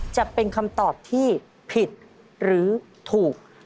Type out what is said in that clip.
จะเป็นคำตอบที่ผิดหรือถูก